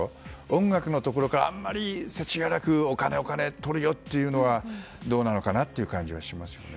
音楽のところからあまりせちがらくお金をとるよというのはどうなのかなという感じがしますよね。